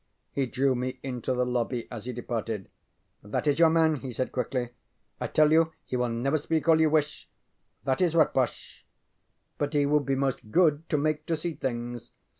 He drew me into the lobby as he departed. ŌĆ£That is your man, ŌĆØ he said, quickly. ŌĆ£I tell you he will never speak all you wish. That is rot bosh. But he would be most good to make to see things.